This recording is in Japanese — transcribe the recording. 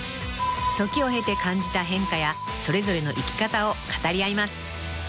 ［時を経て感じた変化やそれぞれの生き方を語り合います］